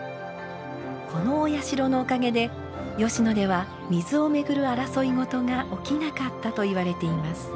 このお社のおかげで吉野では水を巡る争い事が起きなかったといわれています。